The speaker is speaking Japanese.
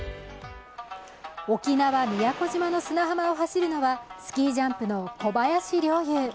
沖縄・宮古島の砂浜を走るのはスキージャンプの小林陵侑。